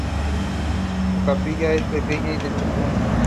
Su capilla es de pequeñas dimensiones.